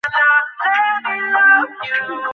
আকাশের পৃষ্ঠ নির্মল চমৎকার।